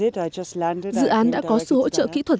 dự án đã có sự hỗ trợ kỹ thuật